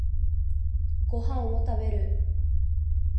ご飯を食べる